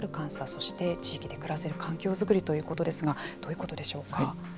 そして地域で暮らせる環境作りということですがどういうことでしょうか。